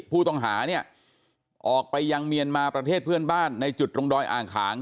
ผู้ต้องหาเนี่ยออกไปยังเมียนมาประเทศเพื่อนบ้านในจุดตรงดอยอ่างขาง